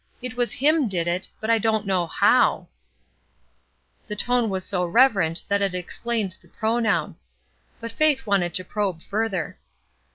It was Him did it, but I dunno how:' The tone was so reverent that it explained the pronoun; but Faith wanted to probe further.